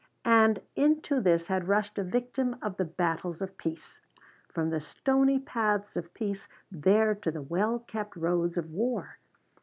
And into this had rushed a victim of the battles of peace! From the stony paths of peace there to the well kept roads of war!